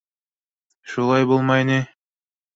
Шулай булмай ни!